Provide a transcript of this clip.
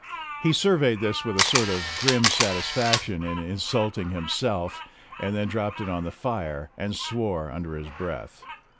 He surveyed this with a sort of grim satisfaction in insulting him self, and then dropped it on the fire and swore under his breath.